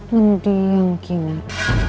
ngedi yang kinar